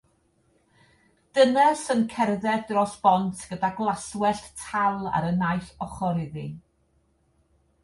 Dynes yn cerdded dros bont gyda glaswellt tal ar y naill ochr iddi.